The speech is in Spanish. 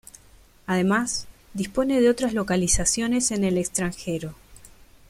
Además, dispone de otras localizaciones en el extranjero.